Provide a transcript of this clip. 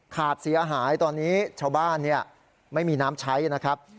ขาดเสียหายตอนนี้ชาวบ้านไม่มีน้ำใช้นะครับ